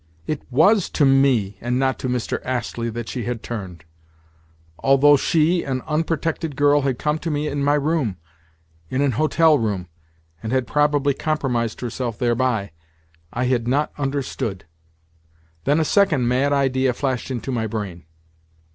It was to me, and not to Mr. Astley, that she had turned! Although she, an unprotected girl, had come to me in my room—in an hotel room—and had probably compromised herself thereby, I had not understood! Then a second mad idea flashed into my brain.